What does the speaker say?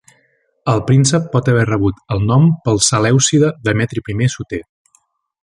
El príncep pot haver rebut el nom pel selèucida Demetri I Soter.